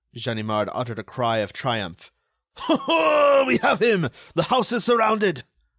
Ganimard uttered a cry of triumph. "We have him. The house is surrounded."